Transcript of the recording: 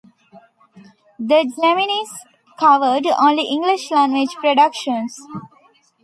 The Geminis covered only English-language productions.